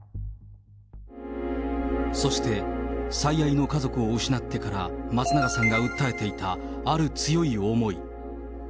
そして、最愛の家族を失ってから松永さんが訴えていた、ある強い思い。